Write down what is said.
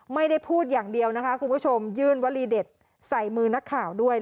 ไม่ได้พูดอย่างเดียวนะคะคุณผู้ชมยื่นวลีเด็ดใส่มือนักข่าวด้วย